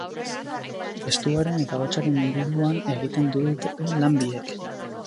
Testuaren eta ahotsaren inguruan egiten dute lan biek.